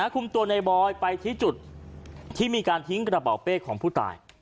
คุมตัวในบอยไปที่จุดที่มีการทิ้งกระเป๋าเป้ของผู้ตาย